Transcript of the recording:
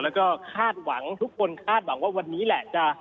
แล้วก็คาดหวังทุกคนคาดหวังว่าวันนี้แหละจะ